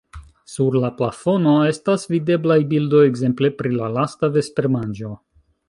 Sur la plafono estas videblaj bildoj ekzemple pri La lasta vespermanĝo.